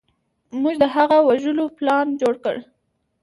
موږ د هغه د وژلو پلان جوړ کړ.